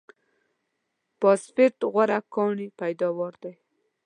فاسفېټ غوره کاني پیداوار دی.